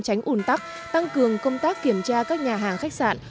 tránh ủn tắc tăng cường công tác kiểm tra các nhà hàng khách sạn